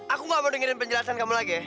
aku gak mau dengerin penjelasan kamu lagi ya